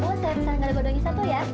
bu saya pesan gado gadonya satu ya